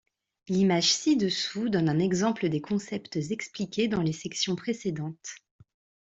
L'image ci-dessous donne un exemple des concepts expliqués dans les sections précédentes.